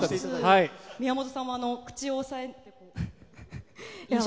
宮本さんも口を押さえながら。